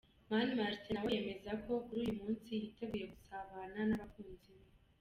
Mani Martin nawe yemeza ko kuri uyu munsi yiteguye gusabana n’abakunzi be.